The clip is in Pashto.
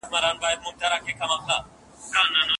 ته چې نه يې، کړي به مې ټکور باڼه